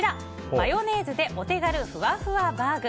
マヨネーズでお手軽ふわふわバーグ。